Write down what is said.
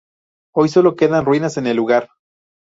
Hoy solo quedan ruinas en el lugar.